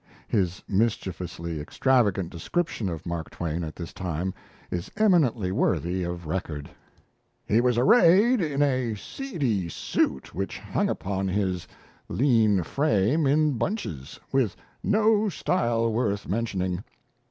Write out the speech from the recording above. His mischievously extravagant description of Mark Twain at this time is eminently worthy of record: "He was arrayed in a seedy suit which hung upon his lean frame in bunches, with no style worth mentioning.